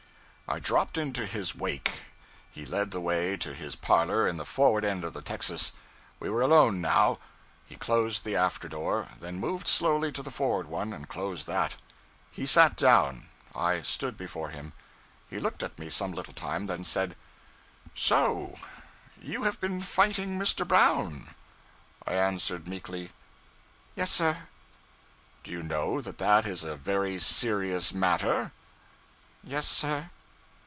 I dropped into his wake; he led the way to his parlor in the forward end of the texas. We were alone, now. He closed the after door; then moved slowly to the forward one and closed that. He sat down; I stood before him. He looked at me some little time, then said 'So you have been fighting Mr. Brown?' I answered meekly 'Yes, sir.' 'Do you know that that is a very serious matter?' 'Yes, sir.'